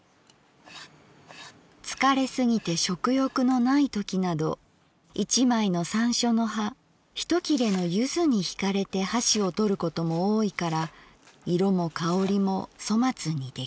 「疲れすぎて食欲のないときなど一枚の山椒の葉一切れの柚子にひかれて箸をとることも多いから色も香りも粗末に出来ない。